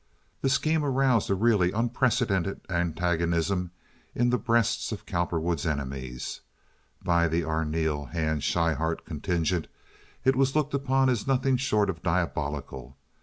This scheme aroused a really unprecedented antagonism in the breasts of Cowperwood's enemies. By the Arneel Hand Schryhart contingent it was looked upon as nothing short of diabolical.